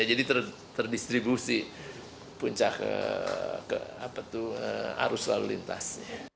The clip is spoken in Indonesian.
jadi terdistribusi puncak ke arus lalu lintas